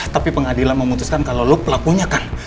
tapi pengadilan memutuskan kalau lo pelakunya kah